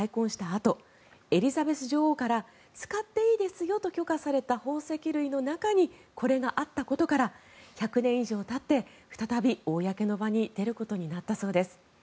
あとエリザベス女王から使っていいですよと許可された宝石類の中にこれがあったことから１００年以上たって再び公の場に出ることになったそうです。